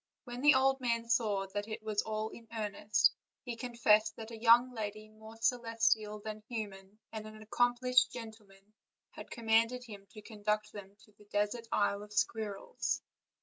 When the old man saw that it was all in, earnest, he confessed that a young lady more celestial than human, and an accomplished gentleman, had com manded him to conduct them to the desert Isle of Squir rels.